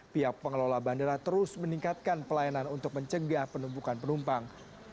pihak pengelola bandara terus meningkatkan pelayanan untuk mencegah penumpukan penumpang